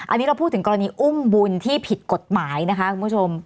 อันนี้เราพูดถึงกรณีอุ้มบุญที่ผิดกฎหมายนะคะคุณผู้ชม